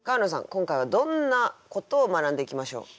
今回はどんなことを学んでいきましょう？